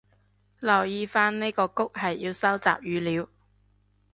留意返呢個谷係要收集語料